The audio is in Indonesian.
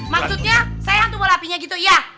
maksudnya saya hantu bola apinya gitu iya